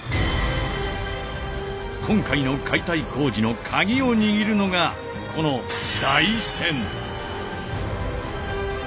今回の解体工事の鍵を握るのがこの台船。